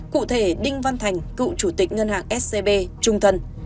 cụ thể đinh văn thành cựu chủ tịch ngân hàng scb trung thân